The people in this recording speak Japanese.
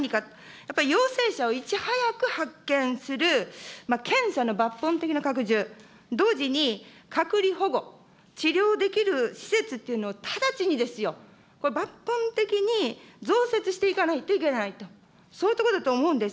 やっぱり陽性者をいち早く発見する検査の抜本的な拡充、同時に隔離保護、治療できる施設っていうのを、直ちにですよ、これ、抜本的に増設していかないといけないと、そういうところだと思うんです。